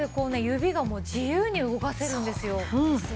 指がもう自由に動かせるんですよ。